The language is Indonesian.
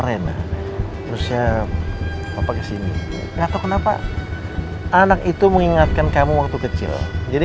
rena terusnya apa kesini enggak tahu kenapa anak itu mengingatkan kamu waktu kecil jadi